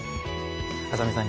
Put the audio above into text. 浅見さん